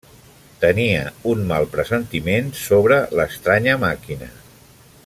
Tenia un mal pressentiment sobre l'estranya màquina.